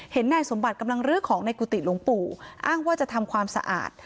นายสมบัติกำลังลื้อของในกุฏิหลวงปู่อ้างว่าจะทำความสะอาด